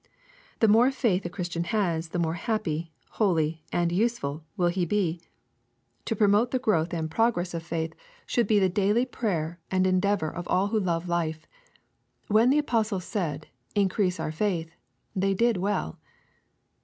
The more faith a Christian has the more happy, holy, and useful will he be. To promote the growth and progress of faith LUKE, CHAP. XV IT. 227 should be the daily prayer and endeavor of all who love life. When the apostles said, "increase our faith/' they did well.